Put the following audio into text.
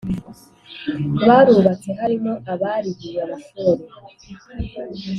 barubatse Harimo abarihiwe amashuri